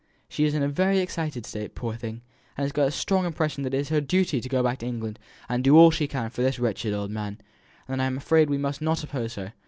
"She is in a very excited state, poor thing! and has got so strong an impression that it is her duty to go back to England and do all she can for this wretched old man, that I am afraid we must not oppose her.